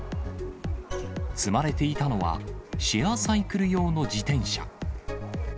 積まれていたのは、シェアサイクル用の自転車。